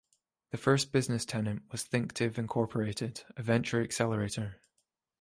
The first business tenant was Thinktiv, Incorporated a venture accelerator.